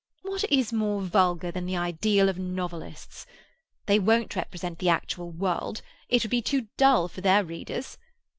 What is more vulgar than the ideal of novelists? They won't represent the actual world; it would be too dull for their readers.